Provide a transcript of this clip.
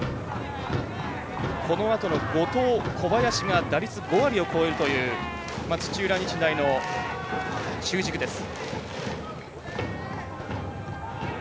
このあとの後藤、小林が打率５割を超えるという土浦日大の中軸です。